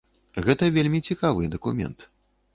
Гэта вельмі цікавы дакумент.